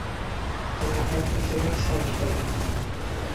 The latter makes a very solid filling.